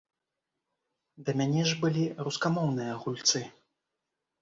Да мяне ж былі рускамоўныя гульцы.